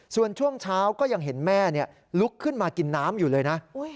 ส่วนช่วงเช้าก็ยังเห็นแม่ลุกขึ้นมากินน้ำอยู่เลยนะ